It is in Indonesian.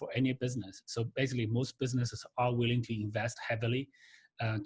jadi pada dasarnya kebanyakan bisnis berpengaruh untuk berinvestasi dengan berat